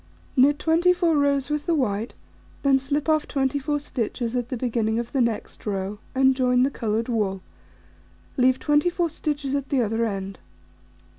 Knit 24 rows with the white, then slip off 24 stitches at the beginning of the next row, and join the coloured wool, leave 24 stitches at the other end.